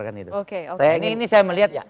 oke oke ini saya melihat